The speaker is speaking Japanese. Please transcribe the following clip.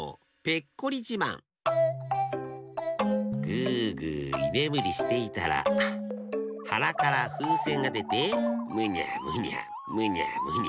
ぐぐいねむりしていたらはなからふうせんがでてむにゃむにゃむにゃむにゃむにゃ。